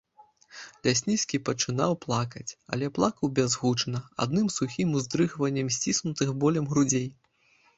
Лясніцкі пачынаў плакаць, але плакаў бязгучна, адным сухім уздрыгваннем сціснутых болем грудзей.